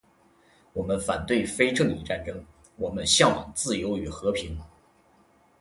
我们反对非正义战争，我们向往自由与和平